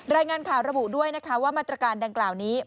รายงานข่าวระบุด้วยนะคะว่ามาตรการดังกล่าวนี้